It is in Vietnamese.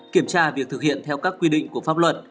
kiểm tra việc thực hiện theo các quy định của pháp luật